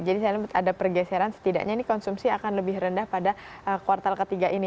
jadi saya lihat ada pergeseran setidaknya ini konsumsi akan lebih rendah pada kuartal ketiga ini